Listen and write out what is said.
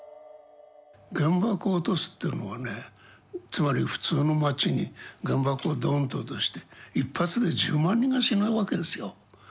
原爆を落とすというのはねつまり普通の町に原爆をドーンと落として一発で１０万人が死ぬわけですよ。